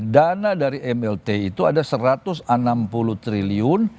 dana dari mlt itu ada satu ratus enam puluh triliun